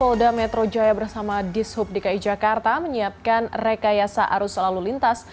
polda metro jaya bersama dishub dki jakarta menyiapkan rekayasa arus lalu lintas